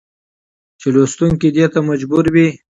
چې لوستونکى دې ته مجبور وي